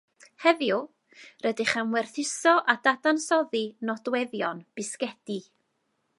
Heddiw, rydych am werthuso a dadansoddi nodweddion bisgedi